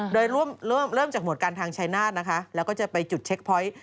โดยเริ่มเริ่มจากหมวดการทางชายนาฏนะคะแล้วก็จะไปจุดเช็คพอยต์